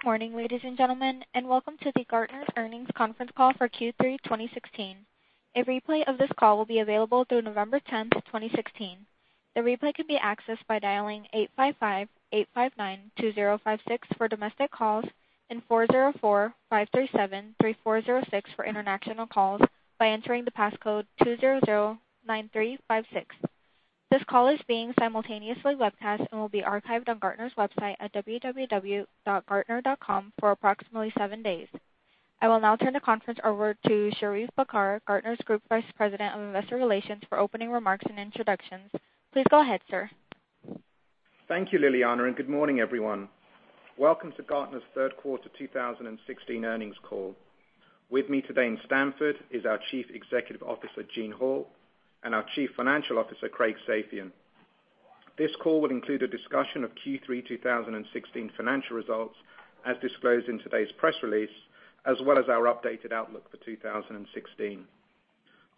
Good morning, ladies and gentlemen, and welcome to Gartner's earnings conference call for Q3 2016. A replay of this call will be available through November 10th, 2016. The replay can be accessed by dialing 855-859-2056 for domestic calls and 404-537-3406 for international calls, by entering the passcode 2009356. This call is being simultaneously webcast and will be archived on Gartner's website at www.gartner.com for approximately seven days. I will now turn the conference over to Sherief Bakr, Gartner's Group Vice President of Investor Relations, for opening remarks and introductions. Please go ahead, sir. Thank you, Liliana. Good morning, everyone. Welcome to Gartner's third quarter 2016 earnings call. With me today in Stamford is our Chief Executive Officer, Gene Hall, and our Chief Financial Officer, Craig Safian. This call will include a discussion of Q3 2016 financial results, as disclosed in today's press release, as well as our updated outlook for 2016.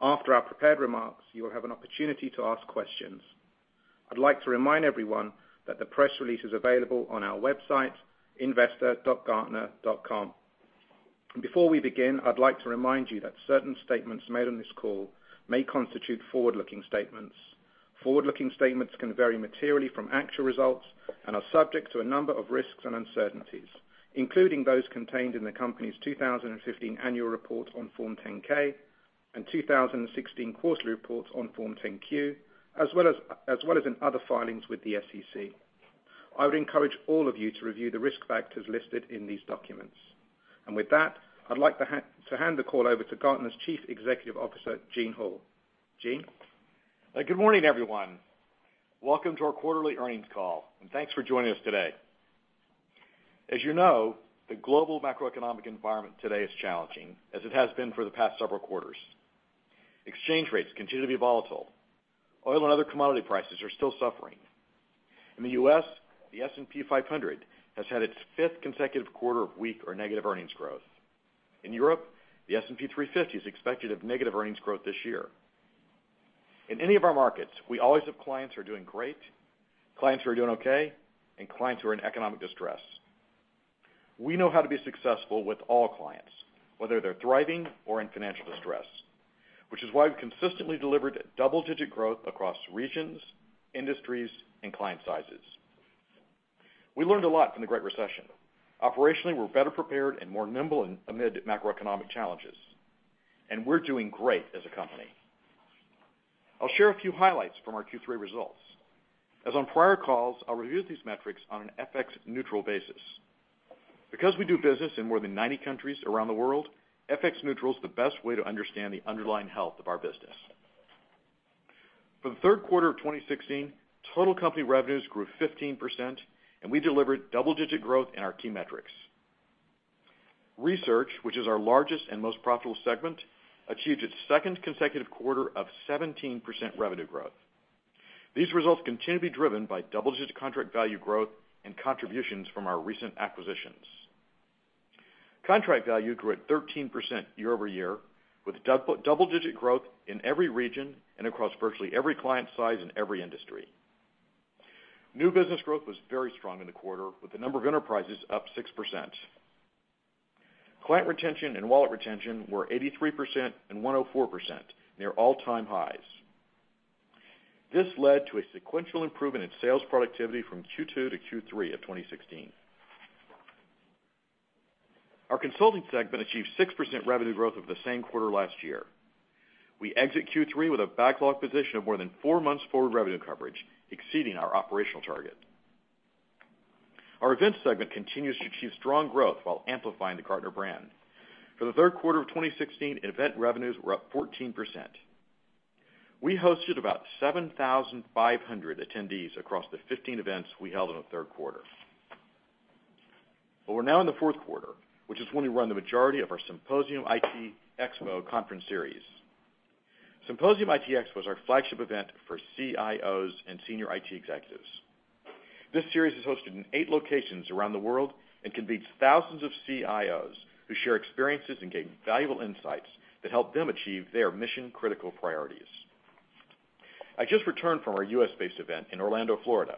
After our prepared remarks, you will have an opportunity to ask questions. I'd like to remind everyone that the press release is available on our website, investor.gartner.com. Before we begin, I'd like to remind you that certain statements made on this call may constitute forward-looking statements. Forward-looking statements can vary materially from actual results and are subject to a number of risks and uncertainties, including those contained in the company's 2015 annual report on Form 10-K and 2016 quarterly reports on Form 10-Q, as well as in other filings with the SEC. I would encourage all of you to review the risk factors listed in these documents. With that, I'd like to hand the call over to Gartner's Chief Executive Officer, Gene Hall. Gene? Good morning, everyone. Welcome to our quarterly earnings call, and thanks for joining us today. As you know, the global macroeconomic environment today is challenging, as it has been for the past several quarters. Exchange rates continue to be volatile. Oil and other commodity prices are still suffering. In the U.S., the S&P 500 has had its fifth consecutive quarter of weak or negative earnings growth. In Europe, the S&P 350 is expected to have negative earnings growth this year. In any of our markets, we always have clients who are doing great, clients who are doing okay, and clients who are in economic distress. We know how to be successful with all clients, whether they're thriving or in financial distress, which is why we've consistently delivered double-digit growth across regions, industries, and client sizes. We learned a lot from the Great Recession. Operationally, we're better prepared and more nimble amid macroeconomic challenges. We're doing great as a company. I'll share a few highlights from our Q3 results. As on prior calls, I'll review these metrics on an FX neutral basis. Because we do business in more than 90 countries around the world, FX neutral is the best way to understand the underlying health of our business. For the third quarter of 2016, total company revenues grew 15%. We delivered double-digit growth in our key metrics. Research, which is our largest and most profitable segment, achieved its second consecutive quarter of 17% revenue growth. These results continue to be driven by double-digit contract value growth and contributions from our recent acquisitions. Contract value grew at 13% year-over-year, with double-digit growth in every region and across virtually every client size and every industry. New business growth was very strong in the quarter, with the number of enterprises up 6%. Client retention and wallet retention were 83% and 104%, near all-time highs. This led to a sequential improvement in sales productivity from Q2 to Q3 of 2016. Our Consulting segment achieved 6% revenue growth over the same quarter last year. We exit Q3 with a backlog position of more than four months forward revenue coverage, exceeding our operational target. Our Events segment continues to achieve strong growth while amplifying the Gartner brand. For the third quarter of 2016, event revenues were up 14%. We hosted about 7,500 attendees across the 15 events we held in the third quarter. We're now in the fourth quarter, which is when we run the majority of our Symposium/ITxpo conference series. Symposium/ITxpo is our flagship event for CIOs and senior IT executives. This series is hosted in eight locations around the world and convenes thousands of CIOs who share experiences and gain valuable insights that help them achieve their mission-critical priorities. I just returned from our U.S.-based event in Orlando, Florida,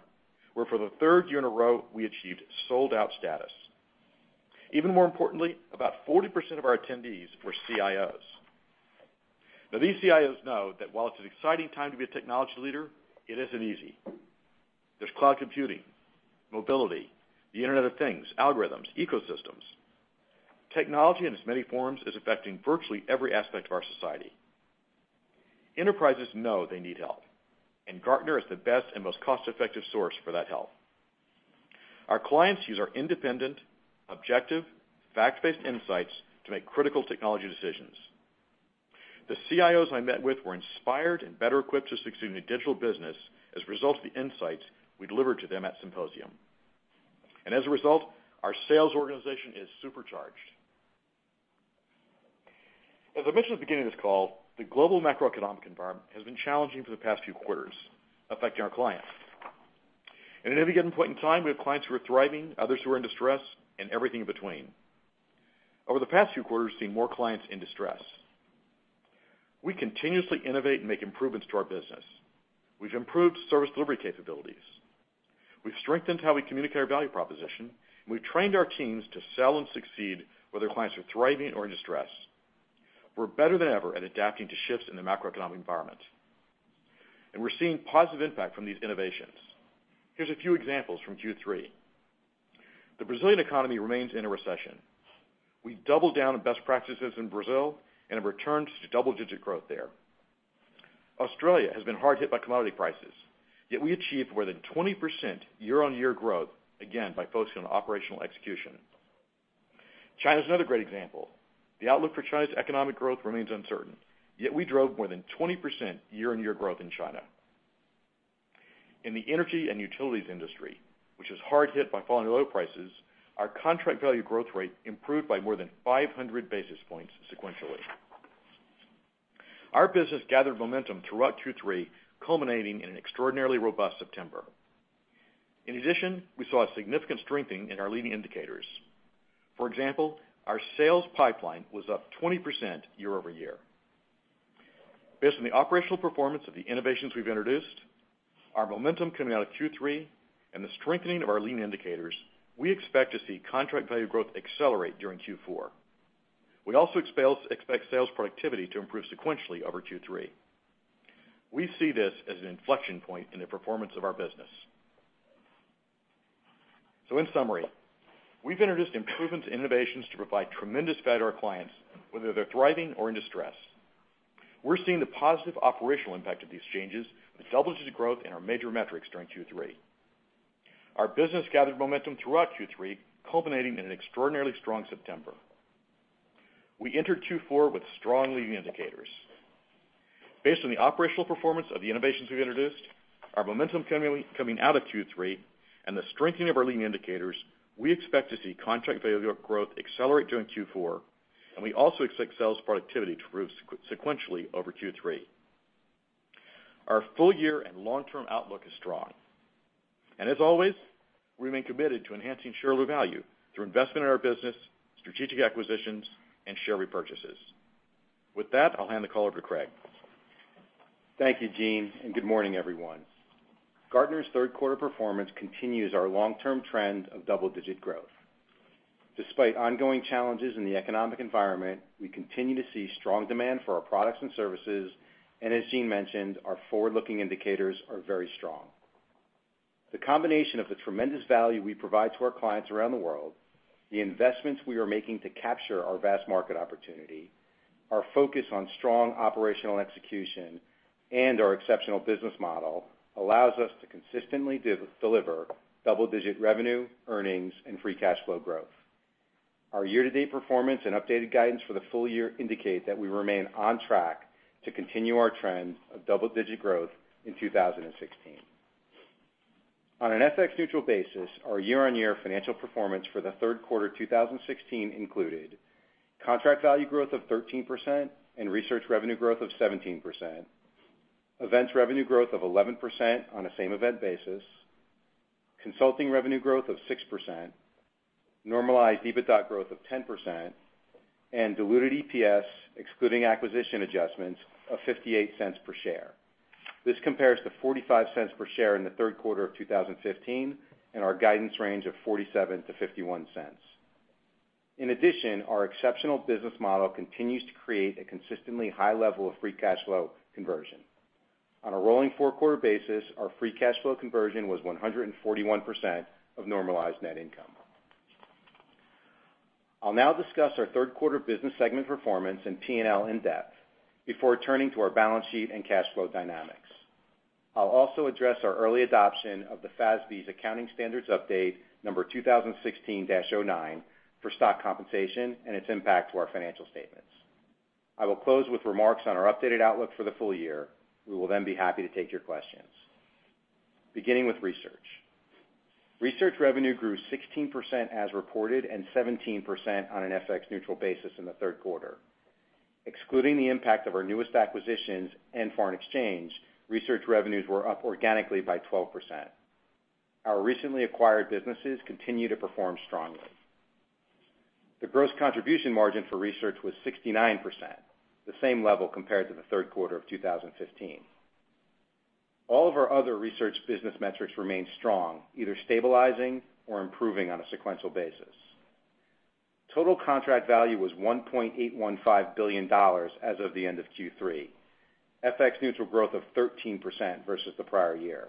where for the third year in a row, we achieved sold-out status. Even more importantly, about 40% of our attendees were CIOs. These CIOs know that while it's an exciting time to be a technology leader, it isn't easy. There's cloud computing, mobility, the Internet of Things, algorithms, ecosystems. Technology, in as many forms, is affecting virtually every aspect of our society. Enterprises know they need help. Gartner is the best and most cost-effective source for that help. Our clients use our independent, objective, fact-based insights to make critical technology decisions. The CIOs I met with were inspired and better equipped to succeed in a digital business as a result of the insights we delivered to them at Symposium. As a result, our sales organization is supercharged. As I mentioned at the beginning of this call, the global macroeconomic environment has been challenging for the past few quarters, affecting our clients. At any given point in time, we have clients who are thriving, others who are in distress, and everything in between. Over the past few quarters, we've seen more clients in distress. We continuously innovate and make improvements to our business. We've improved service delivery capabilities. We've strengthened how we communicate our value proposition. We've trained our teams to sell and succeed, whether clients are thriving or in distress. We're better than ever at adapting to shifts in the macroeconomic environment. We're seeing positive impact from these innovations. Here's a few examples from Q3. The Brazilian economy remains in a recession. We've doubled down on best practices in Brazil and have returned to double-digit growth there. Australia has been hard hit by commodity prices, yet we achieved more than 20% year-on-year growth, again by focusing on operational execution. China's another great example. The outlook for China's economic growth remains uncertain, yet we drove more than 20% year-on-year growth in China. In the energy and utilities industry, which was hard hit by falling oil prices, our contract value growth rate improved by more than 500 basis points sequentially. Our business gathered momentum throughout Q3, culminating in an extraordinarily robust September. In addition, we saw a significant strengthening in our leading indicators. For example, our sales pipeline was up 20% year-over-year. Based on the operational performance of the innovations we've introduced, our momentum coming out of Q3, and the strengthening of our leading indicators, we expect to see contract value growth accelerate during Q4. We also expect sales productivity to improve sequentially over Q3. We see this as an inflection point in the performance of our business. In summary, we've introduced improvements and innovations to provide tremendous value to our clients, whether they're thriving or in distress. We're seeing the positive operational impact of these changes with double-digit growth in our major metrics during Q3. Our business gathered momentum throughout Q3, culminating in an extraordinarily strong September. We entered Q4 with strong leading indicators. Based on the operational performance of the innovations we introduced, our momentum coming out of Q3, and the strengthening of our leading indicators, we expect to see contract value growth accelerate during Q4. We also expect sales productivity to improve sequentially over Q3. Our full year and long-term outlook is strong. As always, we remain committed to enhancing shareholder value through investment in our business, strategic acquisitions, and share repurchases. With that, I'll hand the call over to Craig. Thank you, Gene. Good morning, everyone. Gartner's third quarter performance continues our long-term trend of double-digit growth. Despite ongoing challenges in the economic environment, we continue to see strong demand for our products and services. As Gene mentioned, our forward-looking indicators are very strong. The combination of the tremendous value we provide to our clients around the world, the investments we are making to capture our vast market opportunity, our focus on strong operational execution, and our exceptional business model allows us to consistently deliver double-digit revenue, earnings, and free cash flow growth. Our year-to-date performance and updated guidance for the full year indicate that we remain on track to continue our trend of double-digit growth in 2016. On an FX-neutral basis, our year-on-year financial performance for the third quarter 2016 included contract value growth of 13% and research revenue growth of 17%, events revenue growth of 11% on a same-event basis, consulting revenue growth of 6%, normalized EBITDA growth of 10%, and diluted EPS, excluding acquisition adjustments, of $0.58 per share. This compares to $0.45 per share in the third quarter of 2015 and our guidance range of $0.47-$0.51. In addition, our exceptional business model continues to create a consistently high level of free cash flow conversion. On a rolling four-quarter basis, our free cash flow conversion was 141% of normalized net income. I'll now discuss our third quarter business segment performance and P&L in depth before turning to our balance sheet and cash flow dynamics. I'll also address our early adoption of the FASB's Accounting Standards Update 2016-09 for stock compensation and its impact to our financial statements. I will close with remarks on our updated outlook for the full year. We will then be happy to take your questions. Beginning with research. Research revenue grew 16% as reported and 17% on an FX-neutral basis in the third quarter. Excluding the impact of our newest acquisitions and foreign exchange, research revenues were up organically by 12%. Our recently acquired businesses continue to perform strongly. The gross contribution margin for research was 69%, the same level compared to the third quarter of 2015. All of our other research business metrics remain strong, either stabilizing or improving on a sequential basis. Total contract value was $1.815 billion as of the end of Q3, FX-neutral growth of 13% versus the prior year.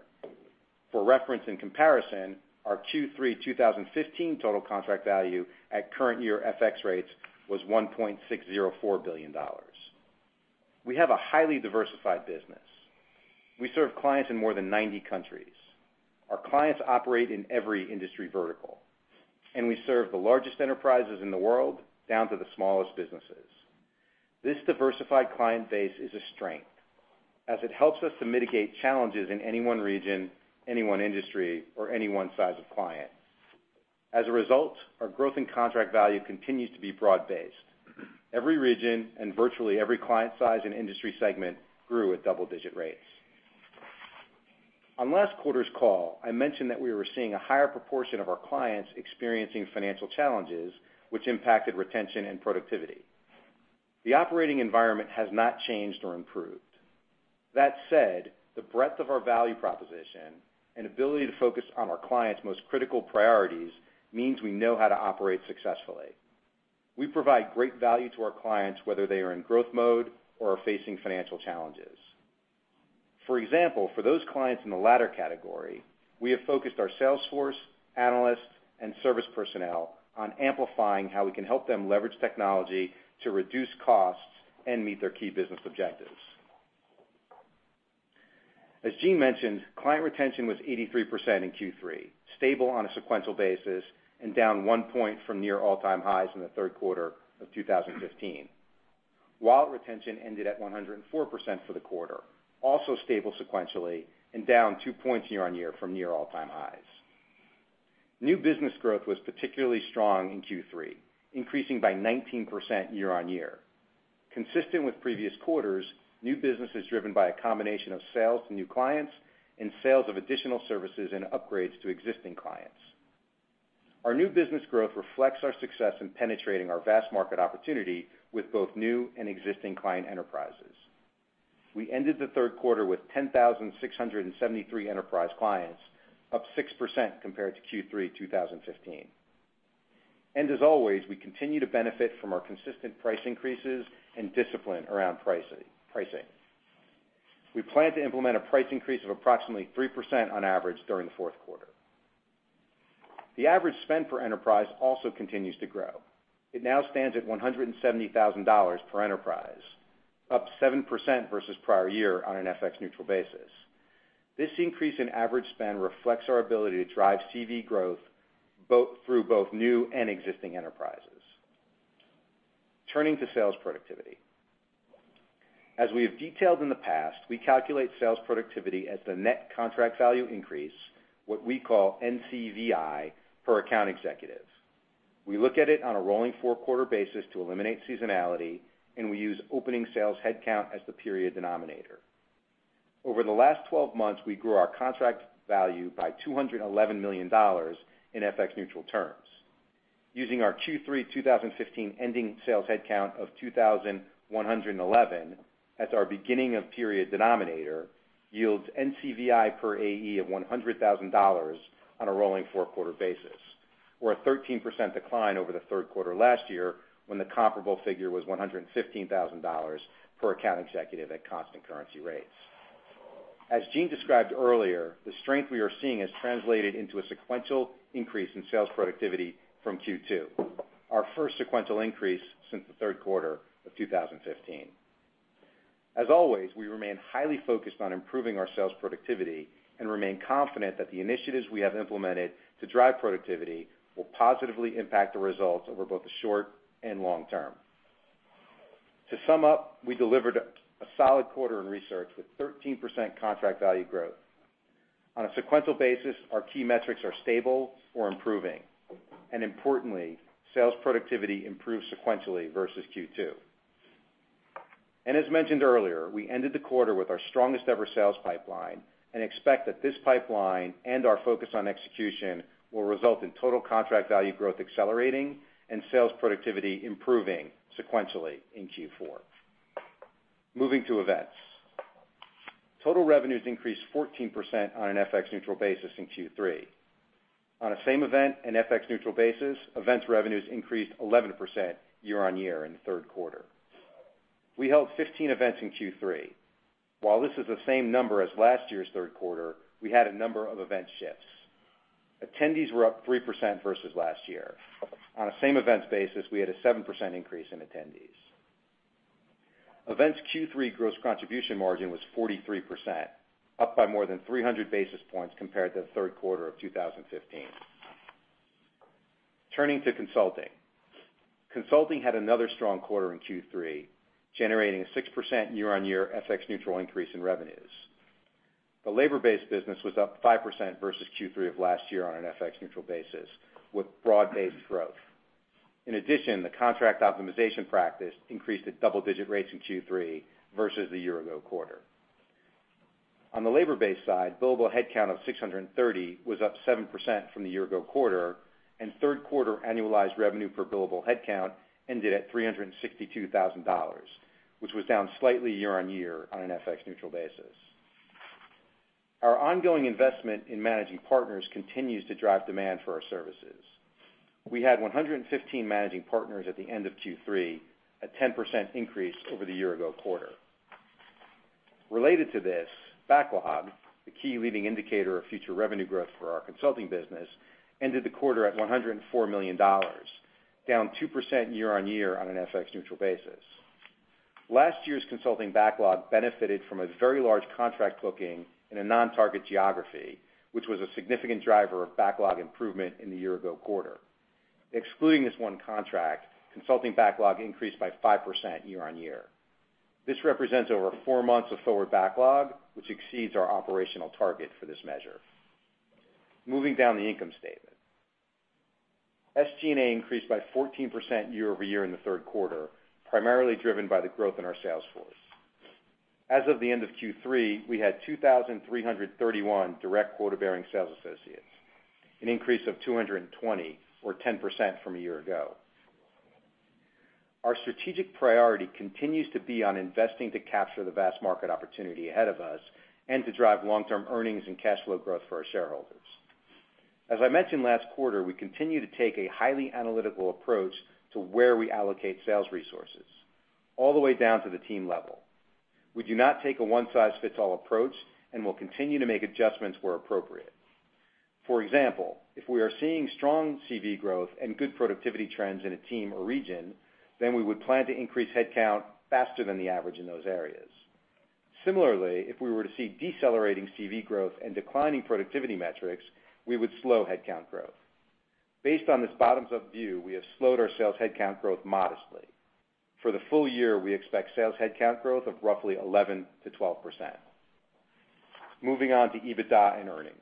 For reference and comparison, our Q3 2015 total contract value at current year FX rates was $1.604 billion. We have a highly diversified business. We serve clients in more than 90 countries. Our clients operate in every industry vertical, and we serve the largest enterprises in the world down to the smallest businesses. This diversified client base is a strength, as it helps us to mitigate challenges in any one region, any one industry, or any one size of client. As a result, our growth in contract value continues to be broad-based. Every region and virtually every client size and industry segment grew at double-digit rates. On last quarter's call, I mentioned that we were seeing a higher proportion of our clients experiencing financial challenges, which impacted retention and productivity. The operating environment has not changed or improved. That said, the breadth of our value proposition and ability to focus on our clients' most critical priorities means we know how to operate successfully. We provide great value to our clients, whether they are in growth mode or are facing financial challenges. For example, for those clients in the latter category, we have focused our sales force, analysts, and service personnel on amplifying how we can help them leverage technology to reduce costs and meet their key business objectives. As Gene mentioned, client retention was 83% in Q3, stable on a sequential basis and down one point from near all-time highs in the third quarter of 2015. Wallet retention ended at 104% for the quarter, also stable sequentially and down two points year on year from near all-time highs. New business growth was particularly strong in Q3, increasing by 19% year on year. Consistent with previous quarters, new business is driven by a combination of sales to new clients and sales of additional services and upgrades to existing clients. Our new business growth reflects our success in penetrating our vast market opportunity with both new and existing client enterprises. We ended the third quarter with 10,673 enterprise clients, up 6% compared to Q3 2015. As always, we continue to benefit from our consistent price increases and discipline around pricing. We plan to implement a price increase of approximately 3% on average during the fourth quarter. The average spend per enterprise also continues to grow. It now stands at $170,000 per enterprise, up 7% versus prior year on an FX neutral basis. This increase in average spend reflects our ability to drive CV growth through both new and existing enterprises. Turning to sales productivity. As we have detailed in the past, we calculate sales productivity as the net contract value increase, what we call NCVI, per account executive. We look at it on a rolling four-quarter basis to eliminate seasonality, and we use opening sales headcount as the period denominator. Over the last 12 months, we grew our contract value by $211 million in FX neutral terms. Using our Q3 2015 ending sales headcount of 2,111 as our beginning of period denominator yields NCVI per AE of $100,000 on a rolling four-quarter basis, or a 13% decline over the third quarter last year when the comparable figure was $115,000 per account executive at constant currency rates. As Gene described earlier, the strength we are seeing has translated into a sequential increase in sales productivity from Q2, our first sequential increase since the third quarter of 2015. As always, we remain highly focused on improving our sales productivity and remain confident that the initiatives we have implemented to drive productivity will positively impact the results over both the short and long term. To sum up, we delivered a solid quarter in research with 13% contract value growth. On a sequential basis, our key metrics are stable or improving, and importantly, sales productivity improved sequentially versus Q2. As mentioned earlier, we ended the quarter with our strongest ever sales pipeline and expect that this pipeline and our focus on execution will result in total contract value growth accelerating and sales productivity improving sequentially in Q4. Moving to Events. Total revenues increased 14% on an FX neutral basis in Q3. On a same event and FX neutral basis, Events revenues increased 11% year-over-year in the third quarter. We held 15 events in Q3. While this is the same number as last year's third quarter, we had a number of event shifts. Attendees were up 3% versus last year. On a same events basis, we had a 7% increase in attendees. Events' Q3 gross contribution margin was 43%, up by more than 300 basis points compared to the third quarter of 2015. Turning to Consulting. Consulting had another strong quarter in Q3, generating a 6% year-over-year FX neutral increase in revenues. The labor-based business was up 5% versus Q3 of last year on an FX neutral basis, with broad-based growth. In addition, the contract optimization practice increased at double-digit rates in Q3 versus the year ago quarter. On the labor-based side, billable headcount of 630 was up 7% from the year ago quarter, and third quarter annualized revenue per billable headcount ended at $362,000, which was down slightly year on year on an FX neutral basis. Our ongoing investment in managing partners continues to drive demand for our services. We had 115 managing partners at the end of Q3, a 10% increase over the year ago quarter. Related to this, backlog, the key leading indicator of future revenue growth for our consulting business, ended the quarter at $104 million, down 2% year on year on an FX neutral basis. Last year's consulting backlog benefited from a very large contract booking in a non-target geography, which was a significant driver of backlog improvement in the year ago quarter. Excluding this one contract, consulting backlog increased by 5% year on year. This represents over four months of forward backlog, which exceeds our operational target for this measure. Moving down the income statement. SG&A increased by 14% year-over-year in the third quarter, primarily driven by the growth in our sales force. As of the end of Q3, we had 2,331 direct quota-bearing sales associates, an increase of 220 or 10% from a year ago. Our strategic priority continues to be on investing to capture the vast market opportunity ahead of us and to drive long-term earnings and cash flow growth for our shareholders. As I mentioned last quarter, we continue to take a highly analytical approach to where we allocate sales resources, all the way down to the team level. We do not take a one-size-fits-all approach and will continue to make adjustments where appropriate. For example, if we are seeing strong CV growth and good productivity trends in a team or region, we would plan to increase headcount faster than the average in those areas. Similarly, if we were to see decelerating CV growth and declining productivity metrics, we would slow headcount growth. Based on this bottoms-up view, we have slowed our sales headcount growth modestly. For the full year, we expect sales headcount growth of roughly 11%-12%. Moving on to EBITDA and earnings.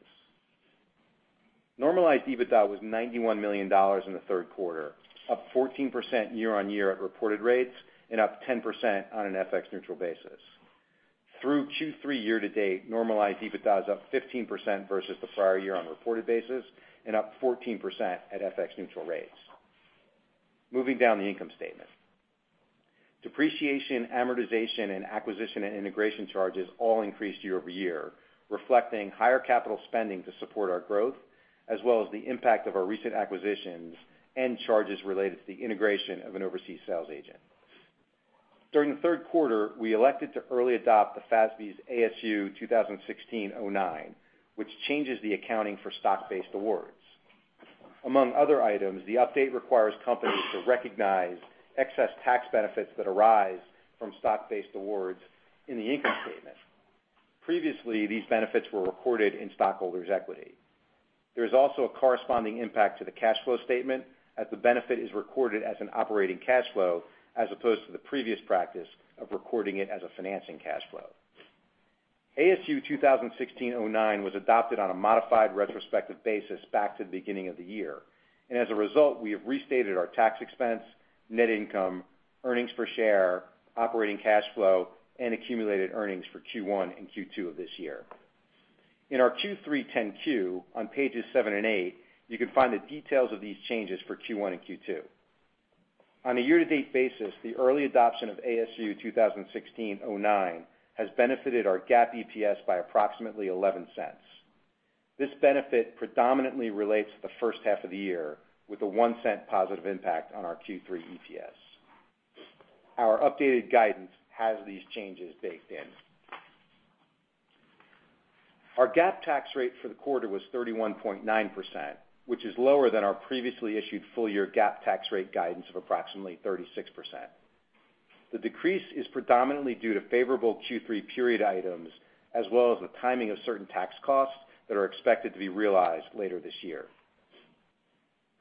Normalized EBITDA was $91 million in the third quarter, up 14% year-on-year at reported rates and up 10% on an FX neutral basis. Through Q3 year to date, normalized EBITDA is up 15% versus the prior year on a reported basis and up 14% at FX neutral rates. Moving down the income statement. Depreciation, amortization, and acquisition and integration charges all increased year-over-year, reflecting higher capital spending to support our growth, as well as the impact of our recent acquisitions and charges related to the integration of an overseas sales agent. During the third quarter, we elected to early adopt the FASB's ASU 2016-09, which changes the accounting for stock-based awards. Among other items, the update requires companies to recognize excess tax benefits that arise from stock-based awards in the income statement. Previously, these benefits were recorded in stockholders' equity. There is also a corresponding impact to the cash flow statement as the benefit is recorded as an operating cash flow as opposed to the previous practice of recording it as a financing cash flow. ASU 2016-09 was adopted on a modified retrospective basis back to the beginning of the year. As a result, we have restated our tax expense, net income, earnings per share, operating cash flow, and accumulated earnings for Q1 and Q2 of this year. In our Q3 10-Q, on pages seven and eight, you can find the details of these changes for Q1 and Q2. On a year-to-date basis, the early adoption of ASU 2016-09 has benefited our GAAP EPS by approximately $0.11. This benefit predominantly relates to the first half of the year, with a $0.01 positive impact on our Q3 EPS. Our updated guidance has these changes baked in. Our GAAP tax rate for the quarter was 31.9%, which is lower than our previously issued full-year GAAP tax rate guidance of approximately 36%. The decrease is predominantly due to favorable Q3 period items as well as the timing of certain tax costs that are expected to be realized later this year.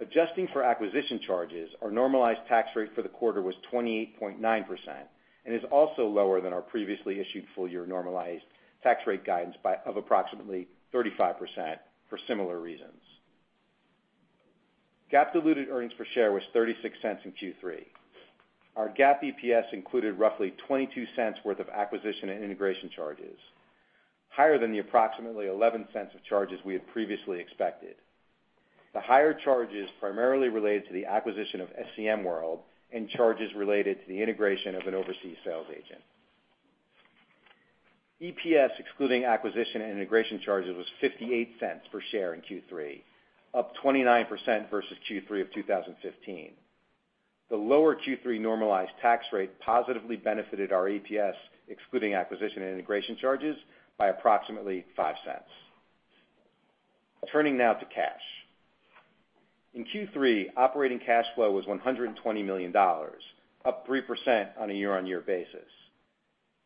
Adjusting for acquisition charges, our normalized tax rate for the quarter was 28.9% and is also lower than our previously issued full-year normalized tax rate guidance of approximately 35% for similar reasons. GAAP diluted earnings per share was $0.36 in Q3. Our GAAP EPS included roughly $0.22 worth of acquisition and integration charges, higher than the approximately $0.11 of charges we had previously expected. The higher charges primarily related to the acquisition of SCM World and charges related to the integration of an overseas sales agent. EPS, excluding acquisition and integration charges, was $0.58 per share in Q3, up 29% versus Q3 of 2015. The lower Q3 normalized tax rate positively benefited our EPS, excluding acquisition and integration charges, by approximately $0.05. Turning now to cash. In Q3, operating cash flow was $120 million, up 3% on a year-over-year basis.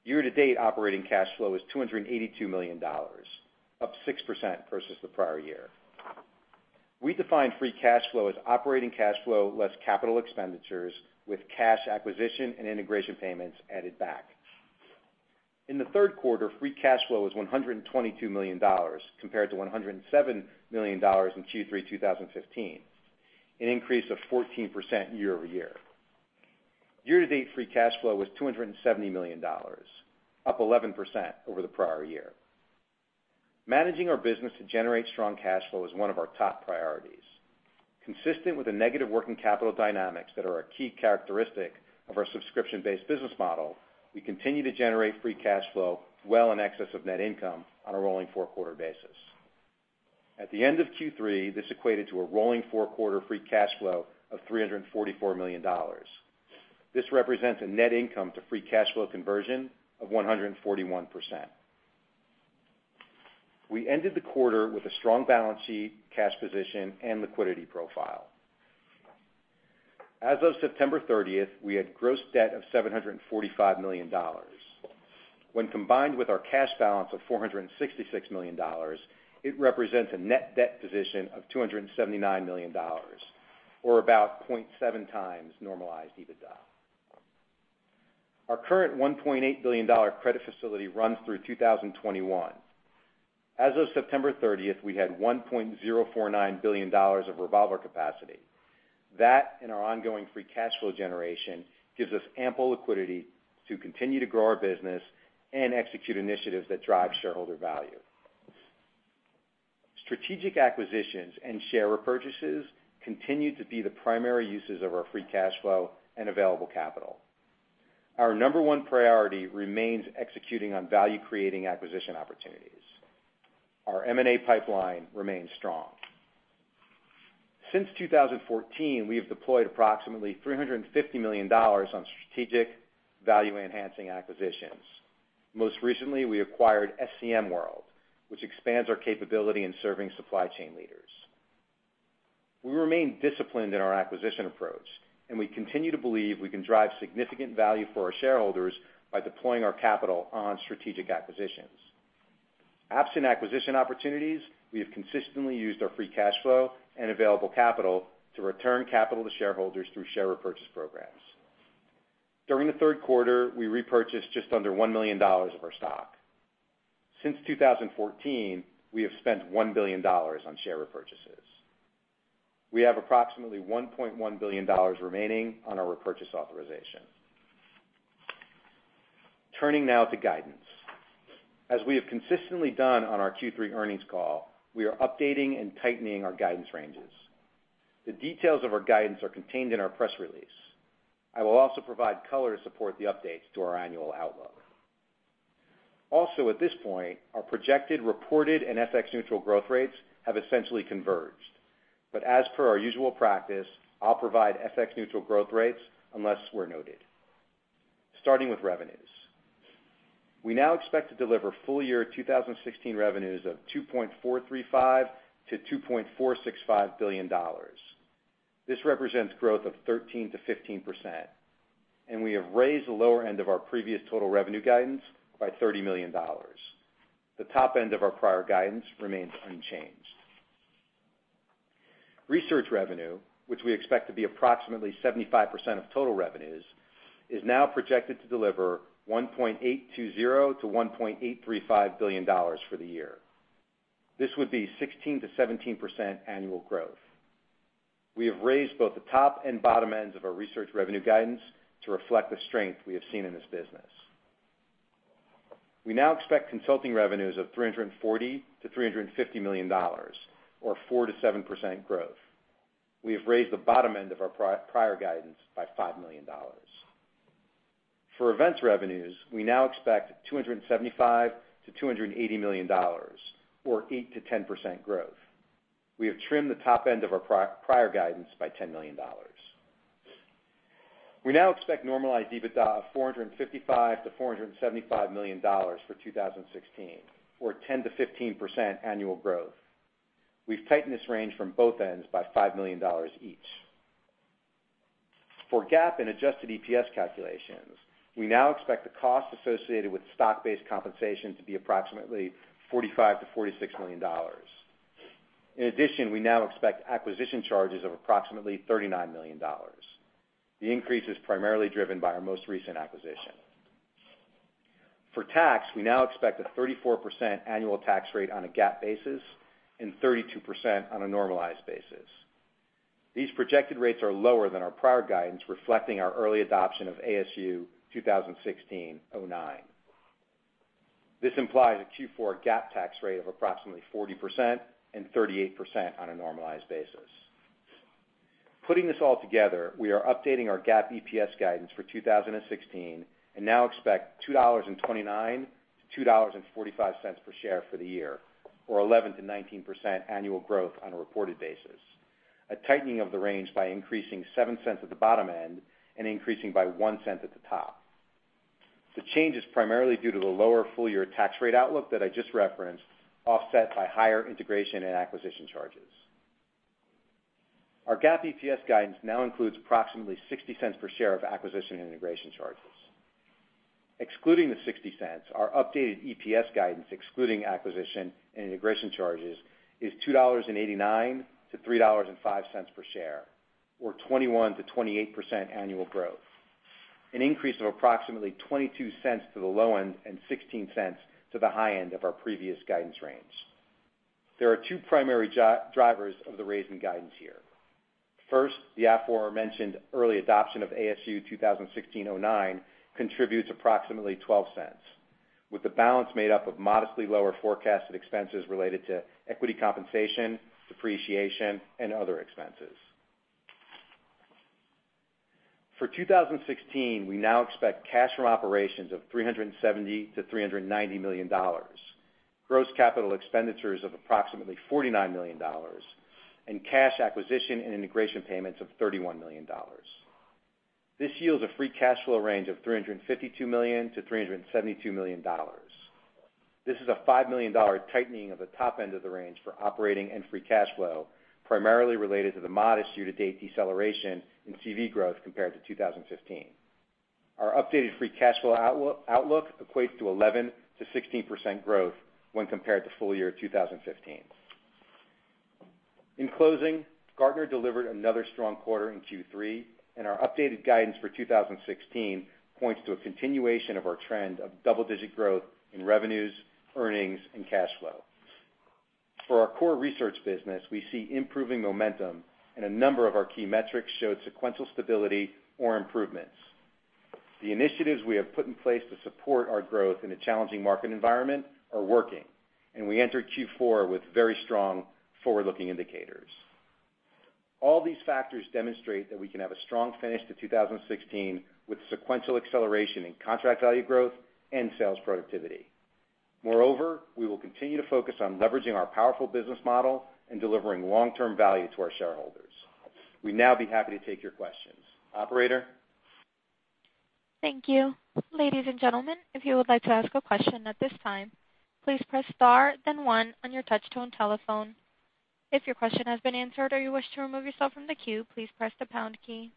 Year to date, operating cash flow is $282 million, up 6% versus the prior year. We define free cash flow as operating cash flow less capital expenditures with cash acquisition and integration payments added back. In the third quarter, free cash flow was $122 million, compared to $107 million in Q3 2015, an increase of 14% year-over-year. Year to date, free cash flow was $270 million, up 11% over the prior year. Managing our business to generate strong cash flow is one of our top priorities. Consistent with the negative working capital dynamics that are a key characteristic of our subscription-based business model, we continue to generate free cash flow well in excess of net income on a rolling four-quarter basis. At the end of Q3, this equated to a rolling four-quarter free cash flow of $344 million. This represents a net income to free cash flow conversion of 141%. We ended the quarter with a strong balance sheet, cash position, and liquidity profile. As of September 30th, we had gross debt of $745 million. When combined with our cash balance of $466 million, it represents a net debt position of $279 million, or about 0.7x normalized EBITDA. Our current $1.8 billion credit facility runs through 2021. As of September 30th, we had $1.049 billion of revolver capacity. That and our ongoing free cash flow generation gives us ample liquidity to continue to grow our business and execute initiatives that drive shareholder value. Strategic acquisitions and share repurchases continue to be the primary uses of our free cash flow and available capital. Our number one priority remains executing on value-creating acquisition opportunities. Our M&A pipeline remains strong. Since 2014, we have deployed approximately $350 million on strategic value-enhancing acquisitions. Most recently, we acquired SCM World, which expands our capability in serving supply chain leaders. We remain disciplined in our acquisition approach, and we continue to believe we can drive significant value for our shareholders by deploying our capital on strategic acquisitions. Absent acquisition opportunities, we have consistently used our free cash flow and available capital to return capital to shareholders through share repurchase programs. During the third quarter, we repurchased just under $1 million of our stock. Since 2014, we have spent $1 billion on share repurchases. We have approximately $1.1 billion remaining on our repurchase authorization. Turning now to guidance. As we have consistently done on our Q3 earnings call, we are updating and tightening our guidance ranges. The details of our guidance are contained in our press release. I will also provide color to support the updates to our annual outlook. At this point, our projected reported and FX-neutral growth rates have essentially converged. As per our usual practice, I'll provide FX-neutral growth rates unless where noted. Starting with revenues. We now expect to deliver full-year 2016 revenues of $2.435 billion-$2.465 billion. This represents growth of 13%-15%, and we have raised the lower end of our previous total revenue guidance by $30 million. The top end of our prior guidance remains unchanged. Research revenue, which we expect to be approximately 75% of total revenues, is now projected to deliver $1.820 billion-$1.835 billion for the year. This would be 16%-17% annual growth. We have raised both the top and bottom ends of our research revenue guidance to reflect the strength we have seen in this business. We now expect consulting revenues of $340 million-$350 million, or 4%-7% growth. We have raised the bottom end of our prior guidance by $5 million. For events revenues, we now expect $275 million-$280 million, or 8%-10% growth. We have trimmed the top end of our prior guidance by $10 million. We now expect normalized EBITDA of $455 million-$475 million for 2016, or 10%-15% annual growth. We've tightened this range from both ends by $5 million each. For GAAP and adjusted EPS calculations, we now expect the cost associated with stock-based compensation to be approximately $45 million-$46 million. In addition, we now expect acquisition charges of approximately $39 million. The increase is primarily driven by our most recent acquisition. For tax, we now expect a 34% annual tax rate on a GAAP basis and 32% on a normalized basis. These projected rates are lower than our prior guidance, reflecting our early adoption of ASU 2016-09. This implies a Q4 GAAP tax rate of approximately 40% and 38% on a normalized basis. Putting this all together, we are updating our GAAP EPS guidance for 2016 and now expect $2.29-$2.45 per share for the year, or 11%-19% annual growth on a reported basis. A tightening of the range by increasing $0.07 at the bottom end and increasing by $0.01 at the top. The change is primarily due to the lower full-year tax rate outlook that I just referenced, offset by higher integration and acquisition charges. Our GAAP EPS guidance now includes approximately $0.60 per share of acquisition and integration charges. Excluding the $0.60, our updated EPS guidance, excluding acquisition and integration charges, is $2.89 to $3.05 per share, or 21%-28% annual growth, an increase of approximately $0.22 to the low end and $0.16 to the high end of our previous guidance range. There are two primary drivers of the raise in guidance here. First, the aforementioned early adoption of ASU 2016-09 contributes approximately $0.12, with the balance made up of modestly lower forecasted expenses related to equity compensation, depreciation, and other expenses. For 2016, we now expect cash from operations of $370 million-$390 million, gross capital expenditures of approximately $49 million, and cash acquisition and integration payments of $31 million. This yields a free cash flow range of $352 million-$372 million. This is a $5 million tightening of the top end of the range for operating and free cash flow, primarily related to the modest year-to-date deceleration in CV growth compared to 2015. Our updated free cash flow outlook equates to 11%-16% growth when compared to full-year 2015. In closing, Gartner delivered another strong quarter in Q3. Our updated guidance for 2016 points to a continuation of our trend of double-digit growth in revenues, earnings, and cash flow. For our core research business, we see improving momentum. A number of our key metrics showed sequential stability or improvements. The initiatives we have put in place to support our growth in a challenging market environment are working, and we enter Q4 with very strong forward-looking indicators. All these factors demonstrate that we can have a strong finish to 2016 with sequential acceleration in contract value growth and sales productivity. We will continue to focus on leveraging our powerful business model and delivering long-term value to our shareholders. We'd now be happy to take your questions. Operator? Thank you. Ladies and gentlemen, if you would like to ask a question at this time, please press star then one on your touch-tone telephone. If your question has been answered or you wish to remove yourself from the queue, please press the pound key.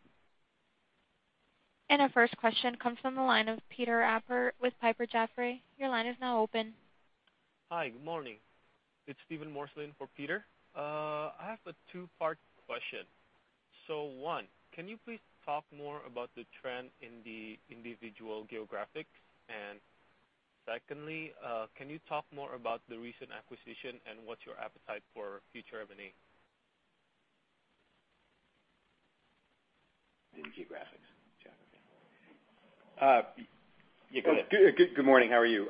Our first question comes from the line of Peter Appert with Piper Jaffray. Your line is now open. Hi. Good morning. It's Steven Morselin for Peter. I have a two-part question. One, can you please talk more about the trend in the individual geographics? Secondly, can you talk more about the recent acquisition and what's your appetite for future M&A? Any geographics, Gene? You go ahead. Good morning. How are you?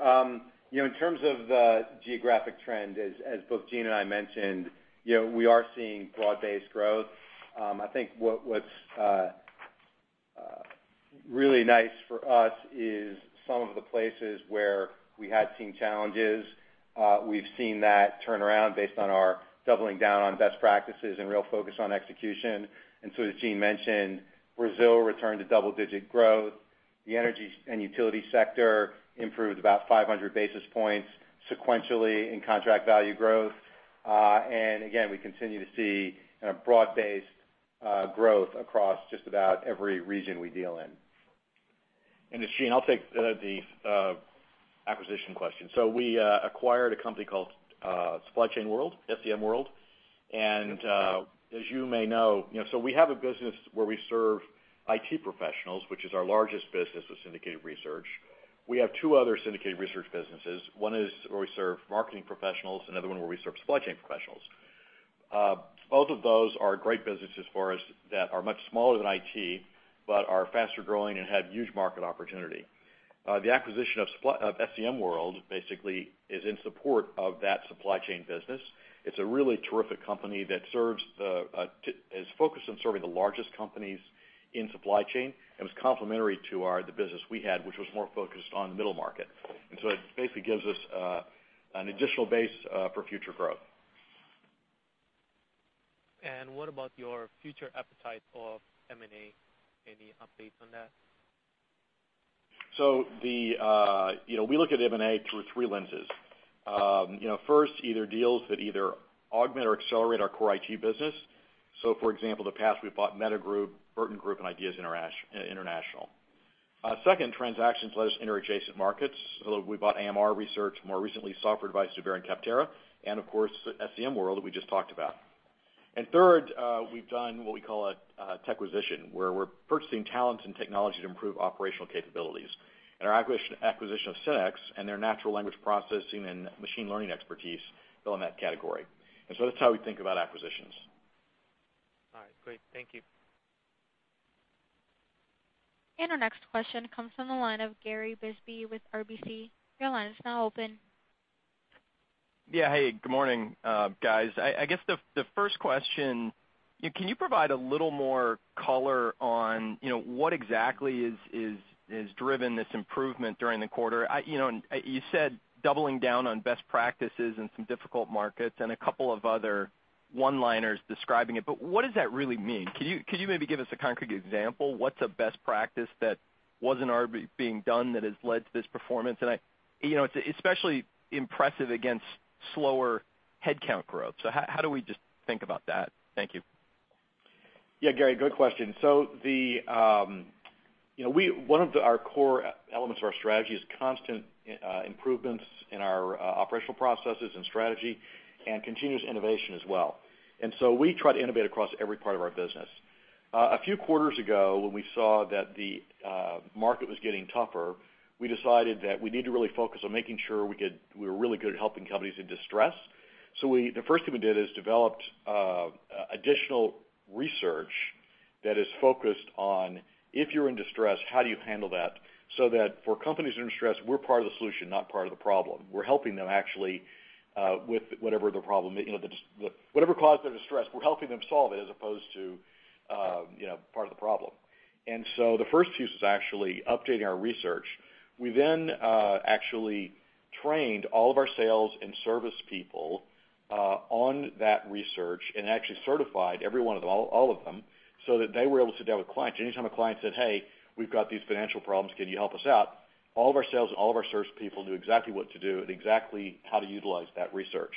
In terms of the geographic trend, as both Gene and I mentioned, we are seeing broad-based growth. I think what's really nice for us is some of the places where we had seen challenges, we've seen that turn around based on our doubling down on best practices and real focus on execution. As Gene mentioned, Brazil returned to double-digit growth. The energy and utility sector improved about 500 basis points sequentially in contract value growth. Again, we continue to see a broad-based growth across just about every region we deal in. It's Gene, I'll take the acquisition question. We acquired a company called Supply Chain World, SCM World. As you may know, so we have a business where we serve IT professionals, which is our largest business of syndicated research. We have two other syndicated research businesses. One is where we serve marketing professionals, another one where we serve supply chain professionals. Both of those are great businesses for us that are much smaller than IT, but are faster-growing and have huge market opportunity. The acquisition of SCM World basically is in support of that supply chain business. It's a really terrific company that is focused on serving the largest companies in supply chain, and it's complementary to the business we had, which was more focused on middle market. It basically gives us an additional base for future growth. What about your future appetite of M&A? Any updates on that? We look at M&A through three lenses. First, either deals that either augment or accelerate our core IT business. For example, in the past, we've bought META Group, Burton Group, and Ideas International. Second, transactions let us enter adjacent markets. We bought AMR Research, more recently, Software Advice, [inaudible] and Capterra, and of course, SCM World that we just talked about. Third, we've done what we call a techquisition, where we're purchasing talents and technology to improve operational capabilities. Our acquisition of Senexx and their natural language processing and machine learning expertise fell in that category. That's how we think about acquisitions. All right. Great. Thank you. Our next question comes from the line of Gary Bisbee with RBC. Your line is now open. Yeah. Hey, good morning, guys. I guess the first question, can you provide a little more color on what exactly has driven this improvement during the quarter? You said doubling down on best practices in some difficult markets and a couple of other one-liners describing it, but what does that really mean? Could you maybe give us a concrete example? What's a best practice that wasn't already being done that has led to this performance? It's especially impressive against slower headcount growth, so how do we just think about that? Thank you. Gary, good question. One of our core elements of our strategy is constant improvements in our operational processes and strategy, and continuous innovation as well. We try to innovate across every part of our business. A few quarters ago, when we saw that the market was getting tougher, we decided that we need to really focus on making sure we were really good at helping companies in distress. The first thing we did is developed additional research that is focused on if you're in distress, how do you handle that, so that for companies that are in distress, we're part of the solution, not part of the problem. We're helping them actually with whatever the problem is. Whatever caused their distress, we're helping them solve it as opposed to part of the problem. The first piece is actually updating our research. We actually trained all of our sales and service people on that research and actually certified every one of them, all of them, so that they were able to sit down with clients. Anytime a client said, "Hey, we've got these financial problems. Can you help us out?" All of our sales and all of our service people knew exactly what to do and exactly how to utilize that research.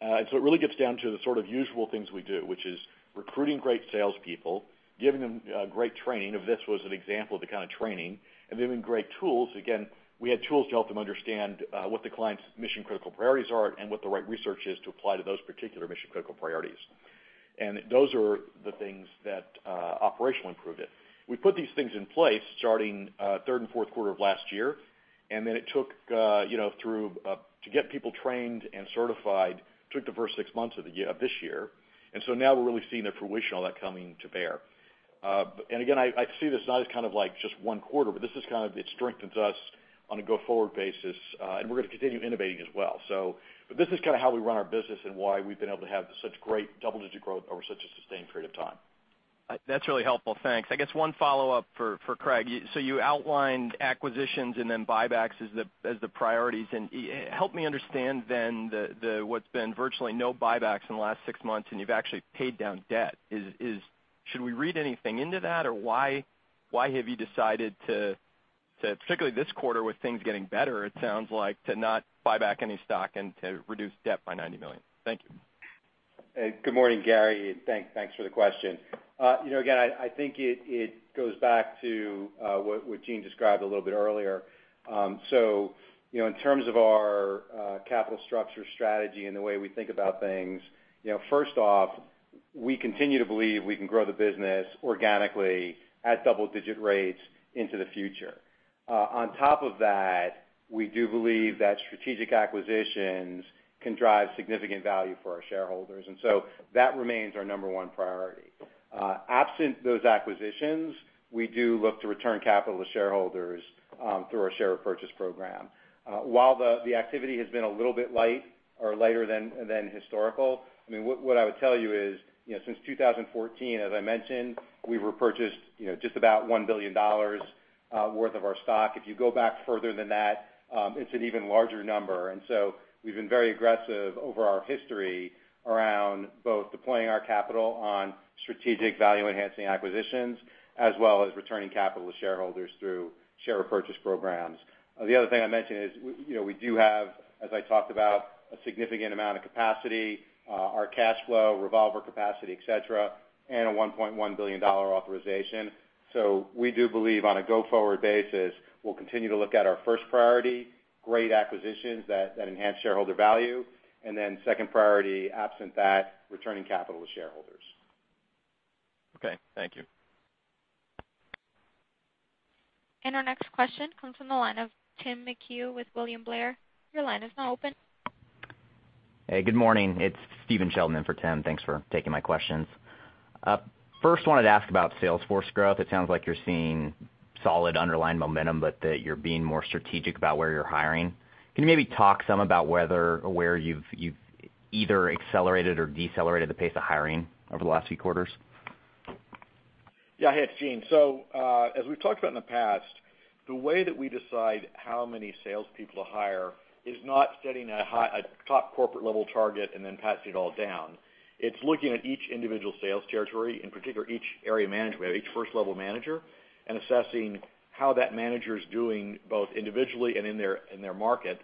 It really gets down to the sort of usual things we do, which is recruiting great salespeople, giving them great training, if this was an example of the kind of training, and giving them great tools. Again, we had tools to help them understand what the client's mission-critical priorities are and what the right research is to apply to those particular mission-critical priorities. Those are the things that operationally improved it. We put these things in place starting third and fourth quarter of last year, and then to get people trained and certified, took the first six months of this year. Now we're really seeing the fruition of that coming to bear. Again, I see this not as just one quarter, but it strengthens us on a go-forward basis, and we're going to continue innovating as well. This is kind of how we run our business and why we've been able to have such great double-digit growth over such a sustained period of time. That's really helpful. Thanks. I guess one follow-up for Craig. You outlined acquisitions and then buybacks as the priorities. Help me understand then what's been virtually no buybacks in the last six months, and you've actually paid down debt. Should we read anything into that, or why have you decided to, particularly this quarter with things getting better, it sounds like, to not buy back any stock and to reduce debt by $90 million? Thank you. Good morning, Gary, thanks for the question. Again, I think it goes back to what Gene described a little bit earlier. In terms of our capital structure strategy and the way we think about things, first off, we continue to believe we can grow the business organically at double-digit rates into the future. On top of that, we do believe that strategic acquisitions can drive significant value for our shareholders. That remains our number one priority. Absent those acquisitions, we do look to return capital to shareholders through our share repurchase program. While the activity has been a little bit light or lighter than historical, what I would tell you is, since 2014, as I mentioned, we repurchased just about $1 billion worth of our stock. If you go back further than that, it's an even larger number. We've been very aggressive over our history around both deploying our capital on strategic value-enhancing acquisitions, as well as returning capital to shareholders through share repurchase programs. The other thing I mentioned is we do have, as I talked about, a significant amount of capacity, our cash flow, revolver capacity, et cetera, and a $1.1 billion authorization. We do believe on a go-forward basis, we'll continue to look at our first priority, great acquisitions that enhance shareholder value, and then second priority, absent that, returning capital to shareholders. Okay. Thank you. Our next question comes from the line of Tim McHugh with William Blair. Your line is now open. Hey, good morning. It's Steven Sheldon in for Tim. Thanks for taking my questions. First, wanted to ask about sales force growth. It sounds like you're seeing solid underlying momentum, but that you're being more strategic about where you're hiring. Can you maybe talk some about where you've either accelerated or decelerated the pace of hiring over the last few quarters? Yeah. Hey, it's Gene. As we've talked about in the past, the way that we decide how many salespeople to hire is not setting a top corporate level target and then passing it all down. It's looking at each individual sales territory, in particular each area management, each first-level manager, and assessing how that manager is doing, both individually and in their market.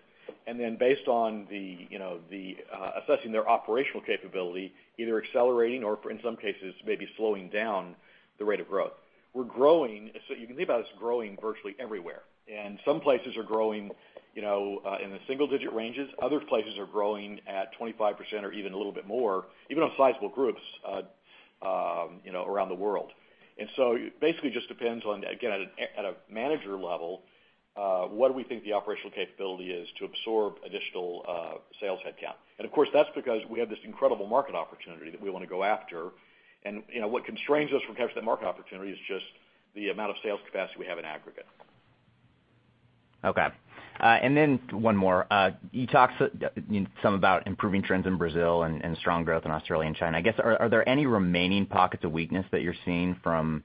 Then based on assessing their operational capability, either accelerating or in some cases, maybe slowing down the rate of growth. You can think about us growing virtually everywhere, and some places are growing in the single-digit ranges. Other places are growing at 25% or even a little bit more, even on sizable groups around the world. Basically just depends on, again, at a manager level, what do we think the operational capability is to absorb additional sales headcount. Of course, that's because we have this incredible market opportunity that we want to go after. What constrains us from capturing that market opportunity is just the amount of sales capacity we have in aggregate. Okay. One more. You talked some about improving trends in Brazil and strong growth in Australia and China. I guess, are there any remaining pockets of weakness that you're seeing from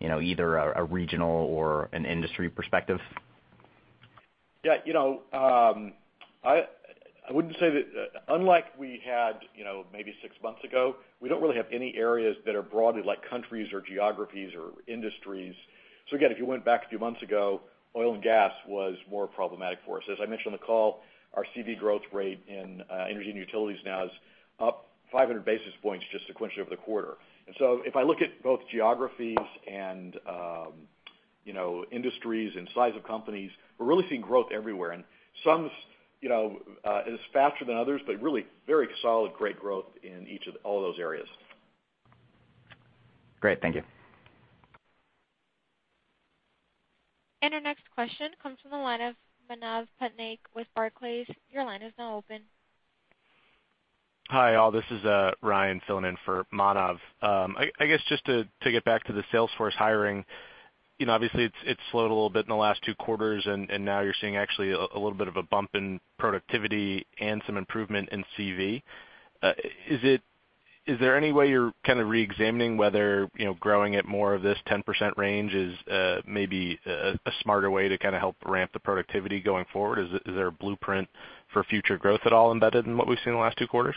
either a regional or an industry perspective? Yeah. I wouldn't say that, unlike we had maybe six months ago, we don't really have any areas that are broadly like countries or geographies or industries. Again, if you went back a few months ago, oil and gas was more problematic for us. As I mentioned on the call, our CV growth rate in energy and utilities now is up 500 basis points just sequentially over the quarter. If I look at both geographies and industries and size of companies, we're really seeing growth everywhere. Some is faster than others, but really very solid, great growth in all those areas. Great. Thank you. Our next question comes from the line of Manav Patnaik with Barclays. Your line is now open. Hi, all. This is Ryan filling in for Manav. I guess just to get back to the sales force hiring, obviously it's slowed a little bit in the last two quarters, and now you're seeing actually a little bit of a bump in productivity and some improvement in CV. Is there any way you're kind of re-examining whether growing at more of this 10% range is maybe a smarter way to kind of help ramp the productivity going forward? Is there a blueprint for future growth at all embedded in what we've seen in the last two quarters?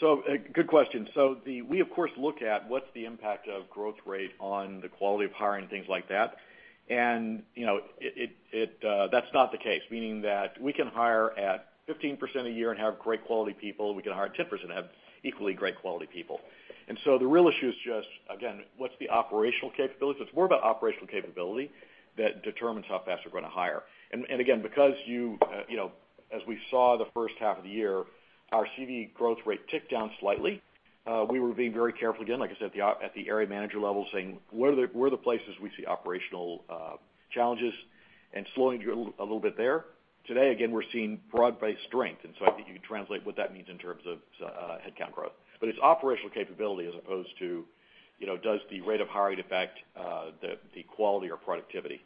Good question. We of course look at what's the impact of growth rate on the quality of hiring, things like that. That's not the case, meaning that we can hire at 15% a year and have great quality people. We can hire at 10% and have equally great quality people. The real issue is just, again, what's the operational capability. It's more about operational capability that determines how fast we're going to hire. Again, because as we saw the first half of the year, our CV growth rate ticked down slightly. We were being very careful again, like I said, at the area manager level, saying, "Where are the places we see operational challenges?" Slowing a little bit there. Today, again, we're seeing broad-based strength. I think you can translate what that means in terms of headcount growth. It's operational capability as opposed to, does the rate of hiring affect the quality or productivity?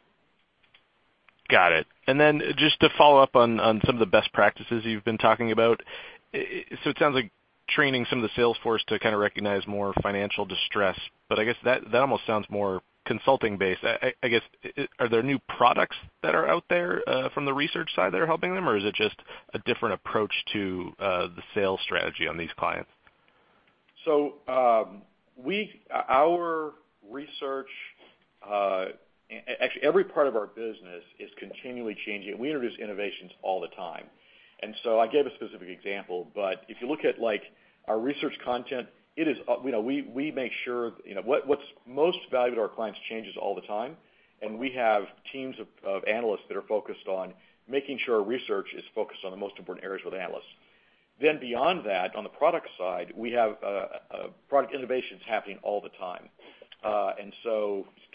Got it. Just to follow up on some of the best practices you've been talking about. It sounds like training some of the sales force to kind of recognize more financial distress, I guess that almost sounds more consulting based. Are there new products that are out there from the research side that are helping them? Is it just a different approach to the sales strategy on these clients? Our research, actually every part of our business is continually changing. We introduce innovations all the time. I gave a specific example, if you look at our research content, what's most valued to our clients changes all the time, and we have teams of analysts that are focused on making sure our research is focused on the most important areas with analysts. Beyond that, on the product side, we have product innovations happening all the time.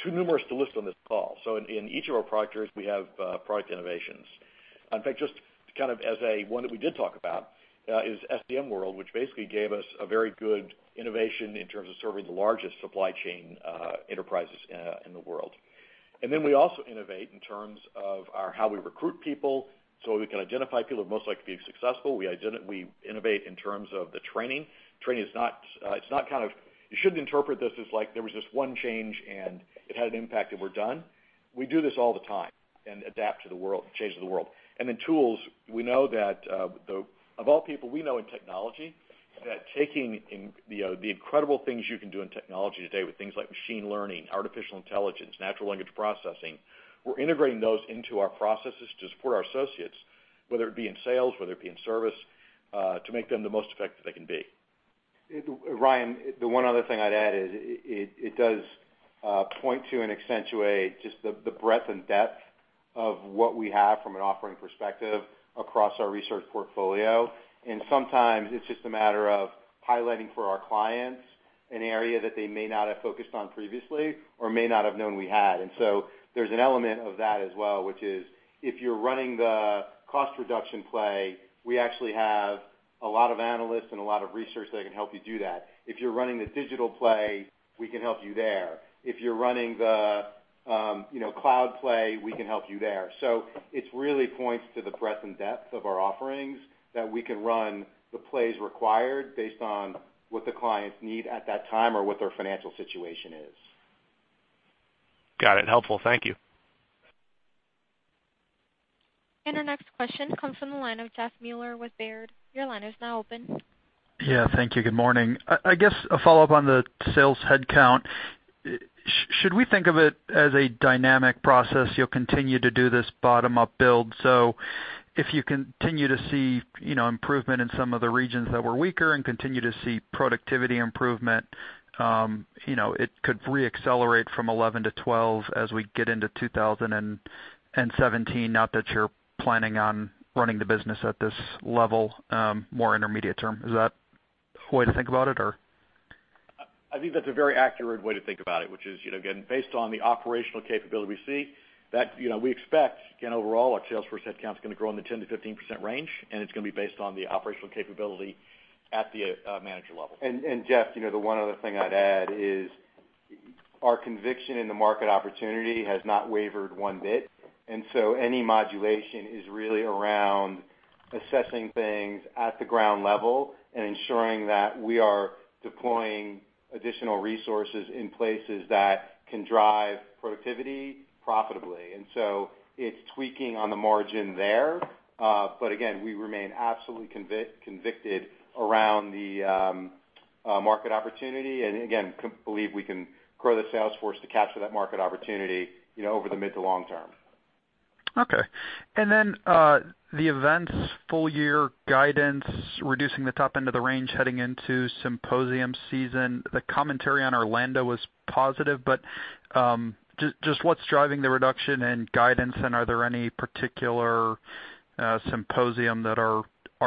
Too numerous to list on this call. In each of our product areas, we have product innovations. In fact, just kind of as a one that we did talk about, is SCM World, which basically gave us a very good innovation in terms of serving the largest supply chain enterprises in the world. We also innovate in terms of how we recruit people so we can identify people who are most likely to be successful. We innovate in terms of the training. You shouldn't interpret this as like there was this one change and it had an impact and we're done. We do this all the time and adapt to the world, changes of the world. Tools, of all people, we know in technology that taking the incredible things you can do in technology today with things like machine learning, artificial intelligence, natural language processing, we're integrating those into our processes to support our associates, whether it be in sales, whether it be in service, to make them the most effective they can be. Ryan, the one other thing I'd add is it does point to and accentuate just the breadth and depth of what we have from an offering perspective across our research portfolio. Sometimes it's just a matter of highlighting for our clients an area that they may not have focused on previously or may not have known we had. So there's an element of that as well, which is, if you're running the cost reduction play, we actually have a lot of analysts and a lot of research that can help you do that. If you're running the digital play, we can help you there. If you're running the cloud play, we can help you there. It really points to the breadth and depth of our offerings that we can run the plays required based on what the clients need at that time or what their financial situation is. Got it. Helpful. Thank you. Our next question comes from the line of Jeffrey Meuler with Baird. Your line is now open. Yeah, thank you. Good morning. I guess a follow-up on the sales headcount. Should we think of it as a dynamic process? You'll continue to do this bottom-up build. If you continue to see improvement in some of the regions that were weaker and continue to see productivity improvement, it could re-accelerate from 11 to 12 as we get into 2017, not that you're planning on running the business at this level more intermediate term. Is that a way to think about it, or? I think that's a very accurate way to think about it, which is, again, based on the operational capability we see, that we expect, again, overall, our sales force headcount is going to grow in the 10%-15% range, and it's going to be based on the operational capability at the manager level. Jeff, the one other thing I'd add is our conviction in the market opportunity has not wavered one bit. Any modulation is really around assessing things at the ground level and ensuring that we are deploying additional resources in places that can drive productivity profitably. It's tweaking on the margin there. Again, we remain absolutely convicted around the market opportunity, and again, believe we can grow the sales force to capture that market opportunity over the mid to long term. Okay. The events full-year guidance, reducing the top end of the range heading into Symposium season. The commentary on Orlando was positive, but just what's driving the reduction in guidance, and are there any particular Symposium that are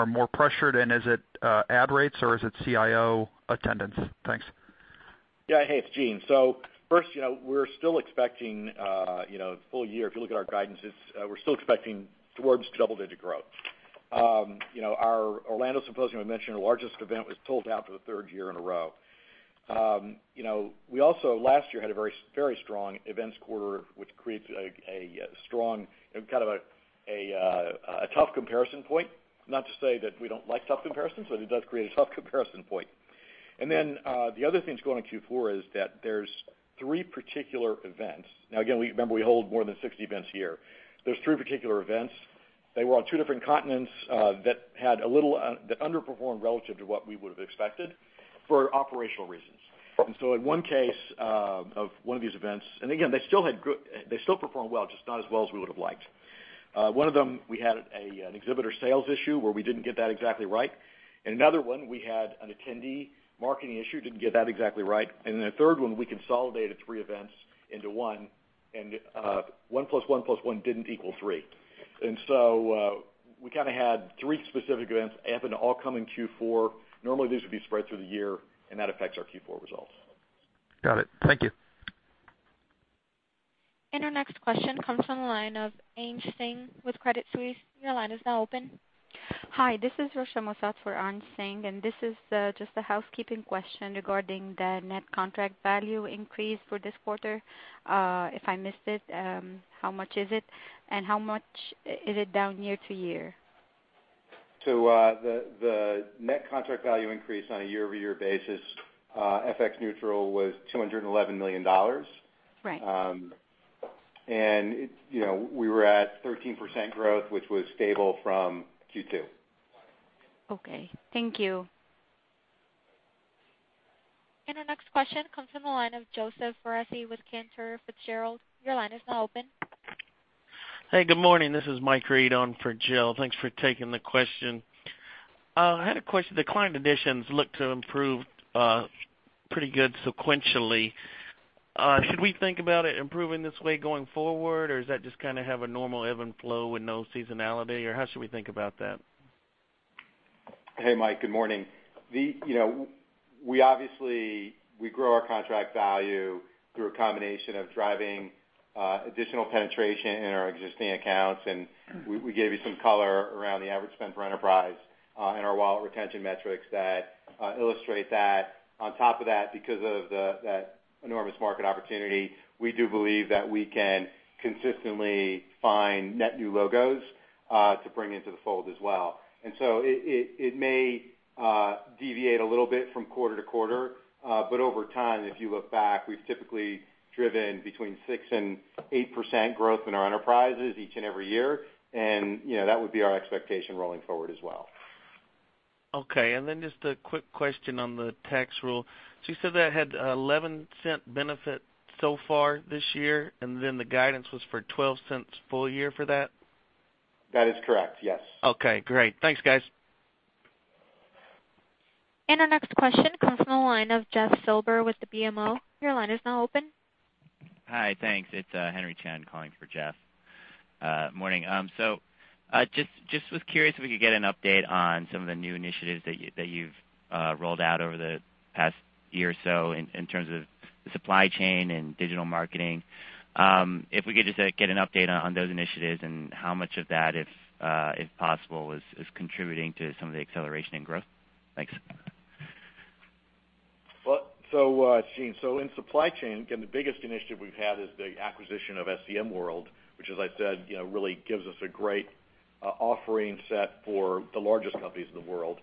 more pressured, and is it ad rates, or is it CIO attendance? Thanks. Yeah. Hey, it's Gene. First, we're still expecting full-year, if you look at our guidance, we're still expecting towards double-digit growth. Our Orlando Symposium, I mentioned our largest event was sold out for the third year in a row. We also last year had a very strong events quarter, which creates a strong, kind of a tough comparison point. Not to say that we don't like tough comparisons, but it does create a tough comparison point. The other thing that's going on in Q4 is that there's three particular events. Now, again, remember, we hold more than 60 events a year. There's three particular events. They were on two different continents that underperformed relative to what we would have expected for operational reasons. In one case of one of these events, and again, they still performed well, just not as well as we would have liked. One of them, we had an exhibitor sales issue where we didn't get that exactly right. In another one, we had an attendee marketing issue, didn't get that exactly right. In the third one, we consolidated three events into one, and one plus one plus one didn't equal three. We had three specific events happen all coming Q4. Normally these would be spread through the year, and that affects our Q4 results. Got it. Thank you. Our next question comes from the line of Anj Singh with Credit Suisse. Your line is now open. Hi, this is Rosha Mossad for Anj Singh, this is just a housekeeping question regarding the net contract value increase for this quarter. If I missed it, how much is it? How much is it down year-over-year? The net contract value increase on a year-over-year basis, FX neutral, was $211 million. Right. We were at 13% growth, which was stable from Q2. Okay. Thank you. Our next question comes from the line of Joseph Foresi with Cantor Fitzgerald. Your line is now open. Hey, good morning. This is Mike Reed on for Joe Thanks for taking the question. I had a question. The client additions look to improve pretty good sequentially. Should we think about it improving this way going forward, or does that just have a normal ebb and flow with no seasonality, or how should we think about that? Hey, Mike. Good morning. We grow our contract value through a combination of driving additional penetration in our existing accounts, we gave you some color around the average spend for enterprise and our wallet retention metrics that illustrate that. On top of that, because of that enormous market opportunity, we do believe that we can consistently find net new logos to bring into the fold as well. So it may deviate a little bit from quarter to quarter, but over time, if you look back, we've typically driven between 6% and 8% growth in our enterprises each and every year. That would be our expectation rolling forward as well. Okay, just a quick question on the tax rule. You said that had a $0.11 benefit so far this year, and then the guidance was for $0.12 full year for that? That is correct, yes. Okay, great. Thanks, guys. Our next question comes from the line of Jeff Silber with the BMO. Your line is now open. Hi, thanks. It's Henry Chen calling for Jeff. Morning. Just was curious if we could get an update on some of the new initiatives that you've rolled out over the past year or so in terms of the supply chain and digital marketing. If we could just get an update on those initiatives and how much of that, if possible, is contributing to some of the acceleration and growth. Thanks. Gene, in supply chain, again, the biggest initiative we've had is the acquisition of SCM World, which as I said, really gives us a great offering set for the largest companies in the world.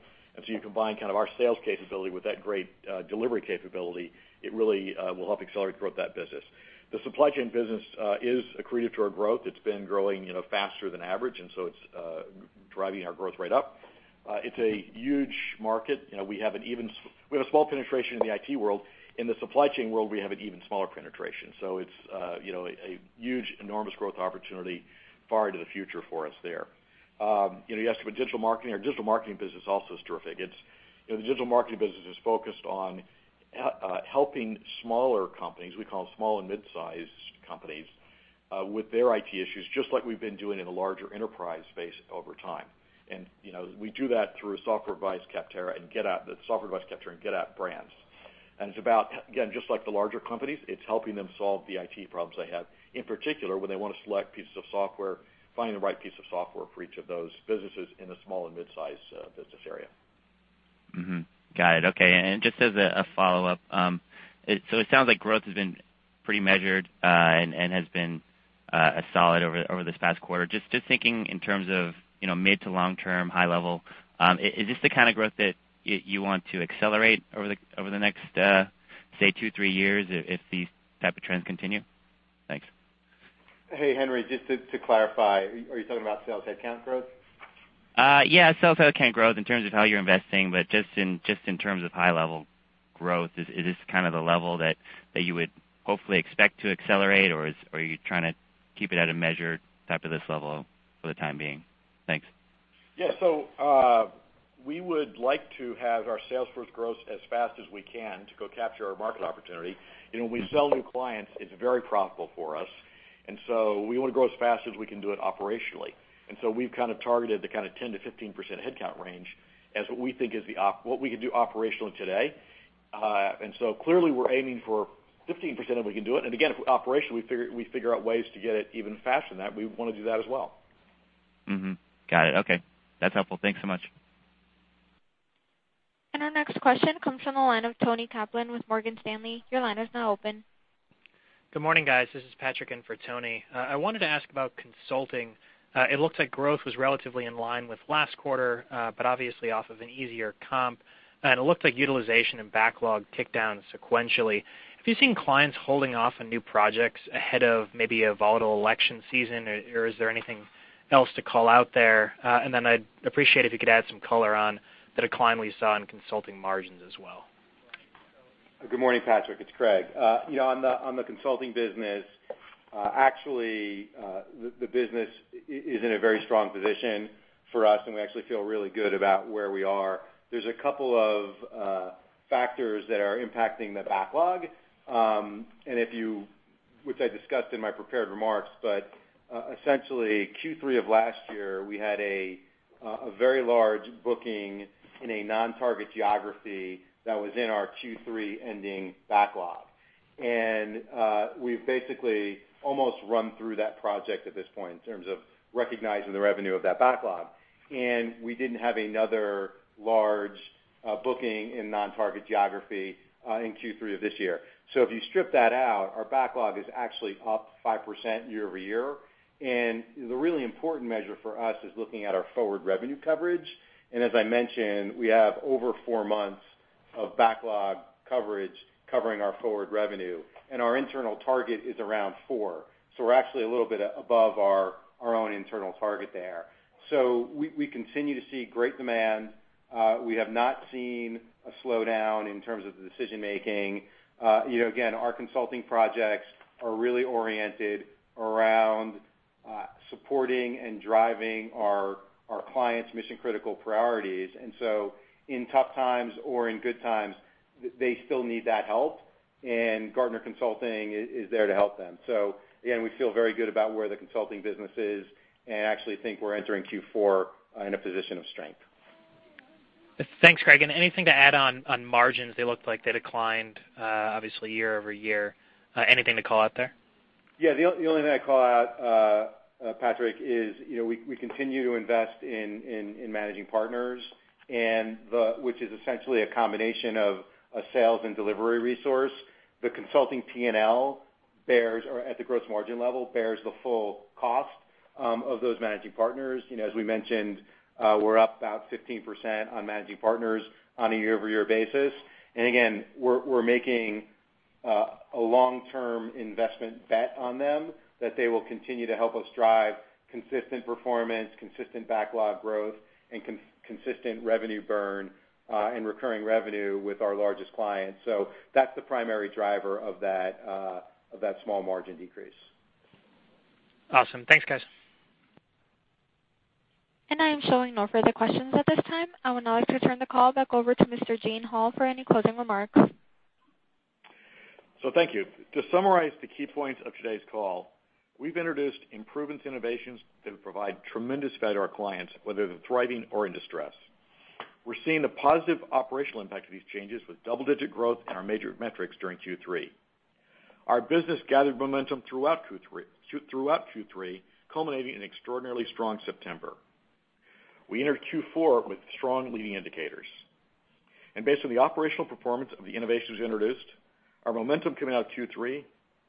You combine our sales capability with that great delivery capability, it really will help accelerate growth in that business. The supply chain business is accretive to our growth. It's been growing faster than average, it's driving our growth rate up. It's a huge market. We have a small penetration in the IT world. In the supply chain world, we have an even smaller penetration. It's a huge, enormous growth opportunity far into the future for us there. You asked about digital marketing. Our digital marketing business also is terrific. The digital marketing business is focused on helping smaller companies, we call them small and midsize companies, with their IT issues, just like we've been doing in the larger enterprise space over time. We do that through Software Advice, Capterra, and GetApp brands. It's about, again, just like the larger companies, it's helping them solve the IT problems they have, in particular when they want to select pieces of software, finding the right piece of software for each of those businesses in the small and midsize business area. Mm-hmm. Got it. Okay. Just as a follow-up, it sounds like growth has been pretty measured and has been solid over this past quarter. Just thinking in terms of mid to long-term high level, is this the kind of growth that you want to accelerate over the next, say, two, three years if these type of trends continue? Thanks. Hey, Henry, just to clarify, are you talking about sales headcount growth? Yeah, sales headcount growth in terms of how you're investing, just in terms of high-level growth, is this the level that you would hopefully expect to accelerate, or are you trying to keep it at a measured type of this level for the time being? Thanks. Yeah. We would like to have our sales force grow as fast as we can to go capture our market opportunity. When we sell new clients, it's very profitable for us. We want to grow as fast as we can do it operationally. We've targeted the 10%-15% headcount range as what we think is what we can do operationally today. Clearly we're aiming for 15% if we can do it. Again, if operationally we figure out ways to get it even faster than that, we want to do that as well. Got it. Okay. That's helpful. Thanks so much. Our next question comes from the line of Toni Kaplan with Morgan Stanley. Your line is now open. Good morning, guys. This is Patrick in for Toni. I wanted to ask about consulting. It looks like growth was relatively in line with last quarter, but obviously off of an easier comp. It looked like utilization and backlog ticked down sequentially. Have you seen clients holding off on new projects ahead of maybe a volatile election season, or is there anything else to call out there? Then I'd appreciate if you could add some color on the decline we saw in consulting margins as well. Good morning, Patrick. It's Craig. On the consulting business, actually, the business is in a very strong position for us, and we actually feel really good about where we are. There's a couple of factors that are impacting the backlog. If you Which I discussed in my prepared remarks, but essentially Q3 of last year, we had a very large booking in a non-target geography that was in our Q3 ending backlog. We've basically almost run through that project at this point in terms of recognizing the revenue of that backlog. We didn't have another large booking in non-target geography in Q3 of this year. If you strip that out, our backlog is actually up 5% year-over-year. The really important measure for us is looking at our forward revenue coverage. As I mentioned, we have over four months of backlog coverage covering our forward revenue, and our internal target is around four. We're actually a little bit above our own internal target there. We continue to see great demand. We have not seen a slowdown in terms of the decision making. Our consulting projects are really oriented around supporting and driving our clients' mission-critical priorities. In tough times or in good times, they still need that help, and Gartner Consulting is there to help them. Again, we feel very good about where the consulting business is and actually think we're entering Q4 in a position of strength. Thanks, Craig, anything to add on margins? They looked like they declined, obviously year-over-year. Anything to call out there? Yeah. The only thing I'd call out, Patrick, is we continue to invest in managing partners, which is essentially a combination of a sales and delivery resource. The consulting P&L, at the gross margin level, bears the full cost of those managing partners. As we mentioned, we're up about 15% on managing partners on a year-over-year basis. Again, we're making a long-term investment bet on them that they will continue to help us drive consistent performance, consistent backlog growth, and consistent revenue burn, and recurring revenue with our largest clients. That's the primary driver of that small margin decrease. Awesome. Thanks, guys. I am showing no further questions at this time. I would now like to turn the call back over to Mr. Gene Hall for any closing remarks. Thank you. To summarize the key points of today's call, we've introduced improvements, innovations that will provide tremendous value to our clients, whether they're thriving or in distress. We're seeing the positive operational impact of these changes with double-digit growth in our major metrics during Q3. Our business gathered momentum throughout Q3, culminating in extraordinarily strong September. We entered Q4 with strong leading indicators. Based on the operational performance of the innovations we introduced, our momentum coming out of Q3,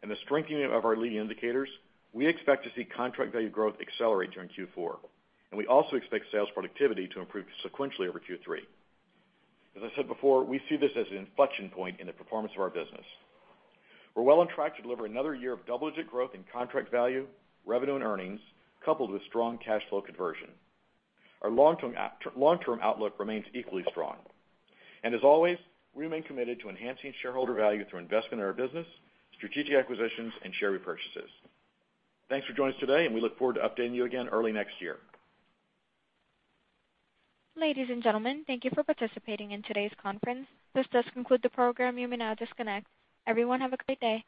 and the strengthening of our leading indicators, we expect to see contract value growth accelerate during Q4, and we also expect sales productivity to improve sequentially over Q3. As I said before, we see this as an inflection point in the performance of our business. We're well on track to deliver another year of double-digit growth in contract value, revenue, and earnings, coupled with strong cash flow conversion. Our long-term outlook remains equally strong. As always, we remain committed to enhancing shareholder value through investment in our business, strategic acquisitions, and share repurchases. Thanks for joining us today, and we look forward to updating you again early next year. Ladies and gentlemen, thank you for participating in today's conference. This does conclude the program. You may now disconnect. Everyone, have a great day.